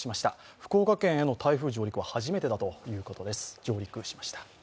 福岡県への台風上陸は初めてだということです。